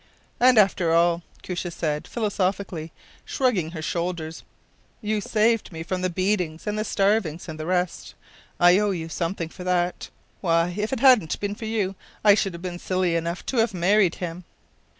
“And after all,” Koosje said, philosophically, shrugging her shoulders, “you saved me from the beatings and the starvings and the rest. I owe you something for that. Why, if it hadn’t been for you I should have been silly enough to have married him.